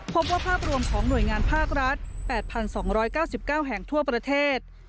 พบว่าภาพรวมของหน่วยงานภาครัฐ๘๒๙๙แห่งทั่วประเทศ